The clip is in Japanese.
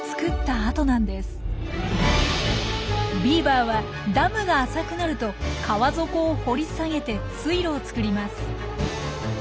ビーバーはダムが浅くなると川底を掘り下げて水路を作ります。